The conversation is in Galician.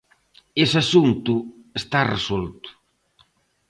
Ese asunto está resolto.